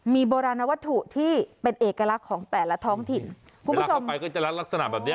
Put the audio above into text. มีโบราณวัตถุที่เป็นเอกลักษณ์ของแต่ละท้องถิ่นคุณผู้ชมไปก็จะลักษณะแบบเนี้ย